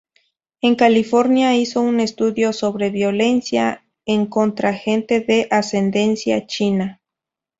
En California hizo un estudio sobre violencia en contra gente de ascendencia china.